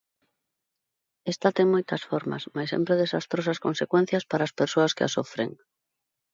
Esta ten moitas formas, mais sempre desastrosas consecuencias para as persoas que a sofren.